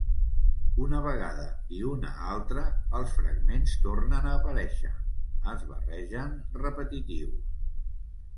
Una vegada i una altra els fragments tornen a aparèixer, es barregen repetitius.